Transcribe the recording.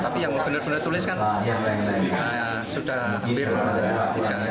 tapi yang benar benar tulis kan sudah hampir tiga